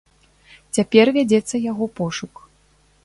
Цяпер вядзецца яго пошук.